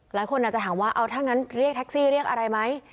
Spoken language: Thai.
หลายคนอาจจะถามว่าเอาถ้างั้นเรียกแท็กซี่เรียกอะไรไหม